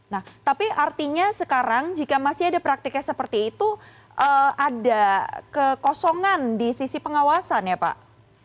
nah tapi artinya sekarang jika masih ada praktiknya seperti itu ada kekosongan di sisi pengawasan ya pak